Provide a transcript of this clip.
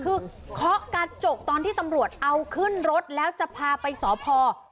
คือเคาะกระจกตอนที่ตำรวจเอาขึ้นรถแล้วจะพาไปสพ